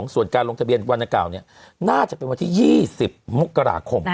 ส่วนการลงทะเบียนวันเก่าน่าจะเป็นวันที่๒๐มกราคม